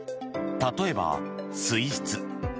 例えば、水質。